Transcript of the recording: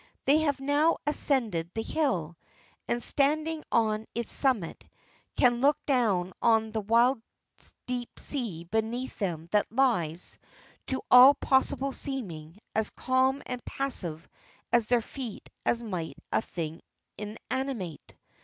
They have now ascended the hill, and, standing on its summit, can look down on the wild deep sea beneath them that lies, to all possible seeming, as calm and passive at their feet as might a thing inanimate.